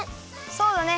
そうだね。